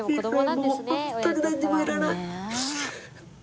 もう本当になんにもいらない。